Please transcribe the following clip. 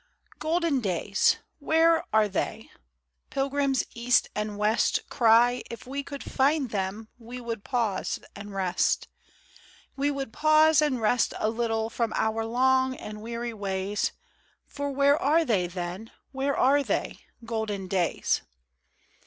OLDEN days — where are they ? Pilgrims east and west Cry : if we could find them We would pause and rest; We would pause and rest a little From our long and weary ways: — Where are they, then, where are they — Golden"days